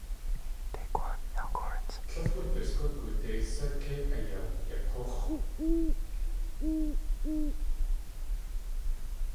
Tlél wuduskú goodéi sá kei ayawdik̲úx̲.